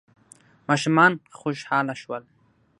ماشومان خوشحاله شول.